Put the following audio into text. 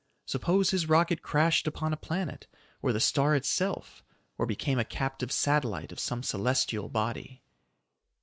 Suppose his rocket crashed upon a planet, or the star itself, or became a captive satellite of some celestial body?